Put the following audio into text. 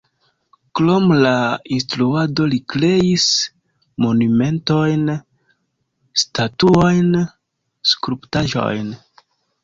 Krom la instruado li kreis monumentojn, statuojn, skulptaĵojn.